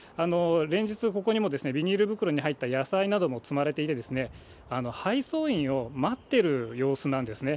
連日、ここにもビニール袋に入った野菜なども積まれていて、配送員を待ってる様子なんですね。